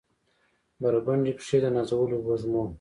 بربنډې پښې د نازولو وږمو